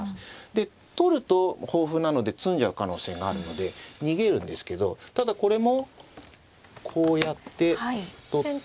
で取ると豊富なので詰んじゃう可能性があるので逃げるんですけどただこれもこうやって取って。